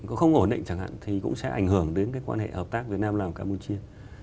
có không ổn định chẳng hạn thì cũng sẽ ảnh hưởng đến cái quan hệ hợp tác việt nam lào campuchia